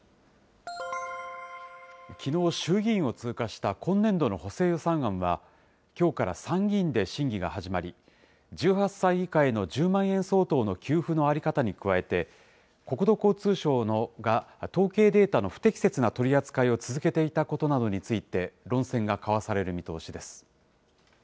きのう衆議院を通過した今年度の補正予算案は、きょうから参議院で審議が始まり、１８歳以下への１０万円相当の給付の在り方に加えて、国土交通省が統計データの不適切な取り扱いを続けていたことなどについて、論戦が交わされる見通しです。